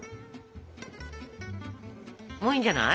もういいんじゃない？